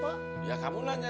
ya bagus kalau lo teng